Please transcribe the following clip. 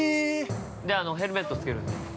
あの、ヘルメットつけるんです。